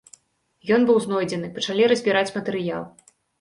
Ён быў знойдзены, пачалі разбіраць матэрыял.